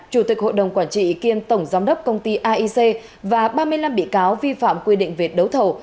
chủ tịch hội đồng quản trị kiêm tổng giám đốc công ty aic và ba mươi năm bị cáo vi phạm quy định về đấu thầu